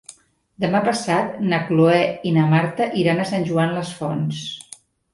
Demà passat na Cloè i na Marta iran a Sant Joan les Fonts.